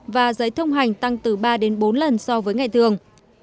và giấy thông hành tăng từ ba đến bốn lần so với ngày thường